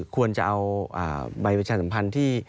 ควรจะเอาใบประชาสัมพันธ์ที่